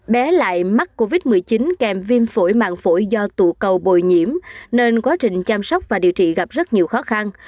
bé lại mắc covid một mươi chín kèm viêm phổi mạng phổi do tụ cầu bồi nhiễm nên quá trình chăm sóc và điều trị gặp rất nhiều khó khăn